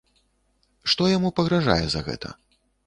Што яму пагражае за гэта?